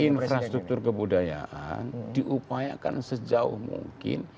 infrastruktur kebudayaan diupayakan sejauh mungkin